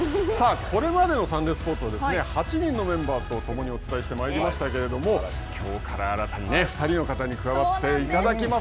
これまでのサンデースポーツは８人のメンバーとともにお伝えしてまいりましたけどきょうから新たに２人の方に加わっていただきます。